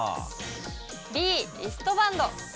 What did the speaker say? Ｂ、リストバンド。